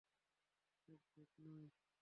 এক ভোট নয়।